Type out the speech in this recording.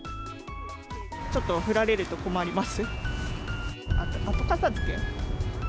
ちょっと降られると困ります。